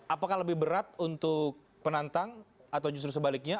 apakah lebih berat untuk penantang atau justru sebaliknya